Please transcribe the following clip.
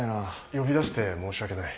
呼び出して申し訳ない。